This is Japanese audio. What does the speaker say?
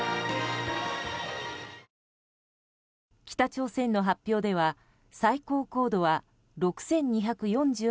北朝鮮の発表では最高高度は６２４８．５ｋｍ。